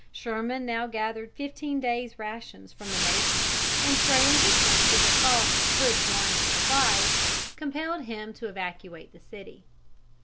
Sherman now gathered fifteen days' rations from the neighbors, and, throwing his forces across Hood's line of supplies, compelled him to evacuate the city.